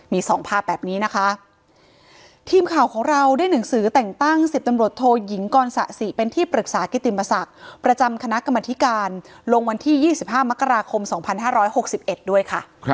มีสองภาพแบบนี้นะคะทีมข่าวของเราได้หนังสือแต่งตั้งสิบตำรวจโทยิงกรศสิเป็นที่ปรึกษากิติมศักดิ์ประจำคณะกรรมธิการลงวันที่ยี่สิบห้ามกราคมสองพันห้าร้อยหกสิบเอ็ดด้วยค่ะ